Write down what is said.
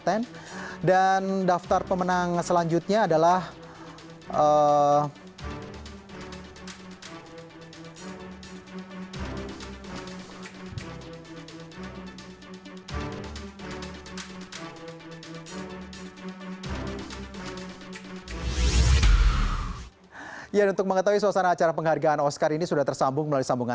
dan daftar pemenang selanjutnya adalah